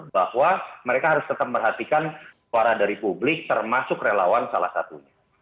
bahwa mereka harus tetap memperhatikan suara dari publik termasuk relawan salah satunya